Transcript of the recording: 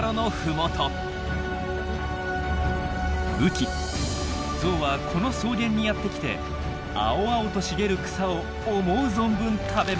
雨季ゾウはこの草原にやって来て青々と茂る草を思う存分食べます。